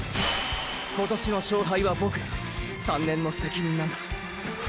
“今年の勝敗”はボクら３年の責任なんだ！！